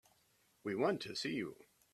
We want to see you.